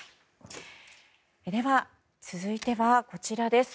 では、続いてはこちらです。